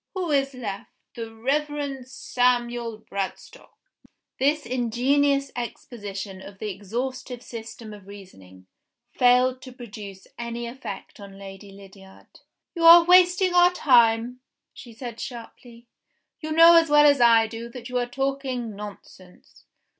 Who is left? The Reverend Samuel Bradstock." This ingenious exposition of "the exhaustive system of reasoning," failed to produce any effect on Lady Lydiard. "You are wasting our time," she said sharply. "You know as well as I do that you are talking nonsense."